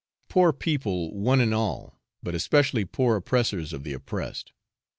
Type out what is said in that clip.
Poor people, one and all, but especially poor oppressors of the oppressed!